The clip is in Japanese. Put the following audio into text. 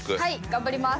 頑張ります。